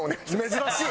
珍しい！